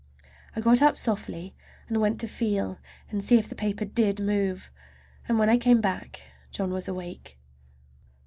I got up softly and went to feel and see if the paper did move, and when I came back John was awake.